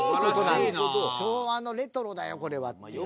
「昭和のレトロだよこれは」っていうね。